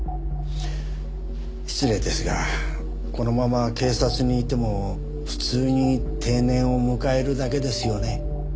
失礼ですがこのまま警察にいても普通に定年を迎えるだけですよね。